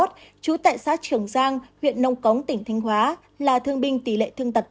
trú tại xã trường giang huyện nông cống tỉnh thánh hóa là thương binh tỷ lệ thương tật bốn mươi một